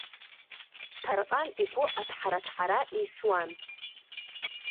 Ҭарҟан игәы аҭҳара-аҭҳара еисуан.